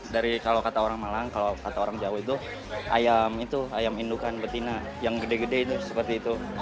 dari kalau kata orang malang kalau kata orang jawa itu ayam itu ayam indukan betina yang gede gede itu seperti itu